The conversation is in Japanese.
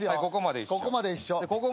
ここまで一緒。